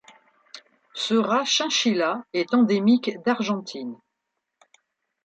Ce rat-chinchilla est endémique d'Argentine.